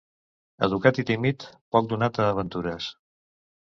Educat i tímid, poc donat a aventures.